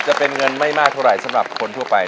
จะเป็นเงินไม่มากเท่าไหร่สำหรับคนทั่วไป